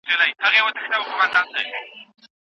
ولي خلګ بل چاته پيغورونه ورکوي؟